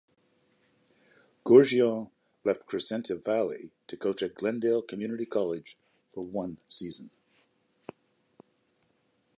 Goorjian left Crescenta Valley to coach at Glendale Community College for one season.